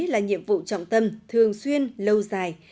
là nhiệm vụ trọng tâm thường xuyên lâu dài